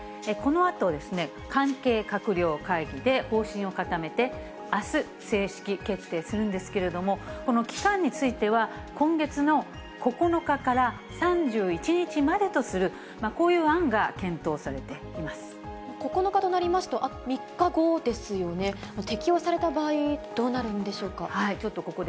このあとですね、関係閣僚会議で方針を固めて、あす正式決定するんですけれども、この期間については、今月の９日から３１日までとする、９日となりますと、３日後ですよね、適用された場合、どうなるんでしょうか。